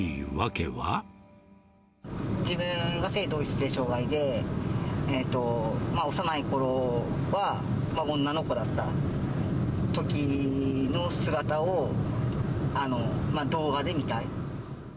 自分が性同一性障害で、幼いころは、女の子だったときの姿を、動画で見たい。